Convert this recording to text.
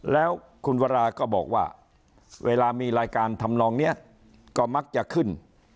แล้วคุณวราก็บอกว่าเวลามีรายการทำนองนี้ก็มักจะขึ้น